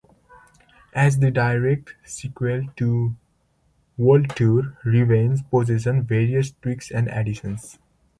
As the direct sequel to "World Tour", "Revenge" possesses various tweaks and additions.